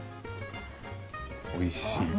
おいしい。